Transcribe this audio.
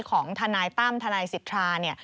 ของทนายตั้มทนายสิทธาเนี่ย